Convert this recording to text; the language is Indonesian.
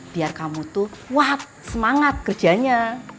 biar kamu tuh kuat semangat kerjanya